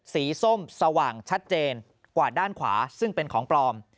ส้มสว่างชัดเจนกว่าด้านขวาซึ่งเป็นของปลอม